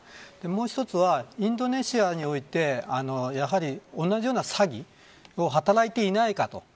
もう一つはインドネシアにおいてやはり、同じような詐欺を働いていないかと。